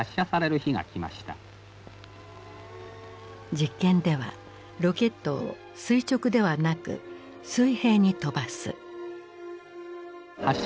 実験ではロケットを垂直ではなく水平に飛ばす。